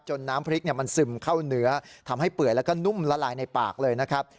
น้ำพริกมันซึมเข้าเนื้อทำให้เปื่อยแล้วก็นุ่มละลายในปากเลยนะครับ